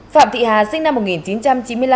phạm thị hà sinh năm một nghìn chín trăm chín mươi năm